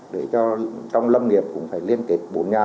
để trong lâm nghiệp cũng phải liên kết bốn nhà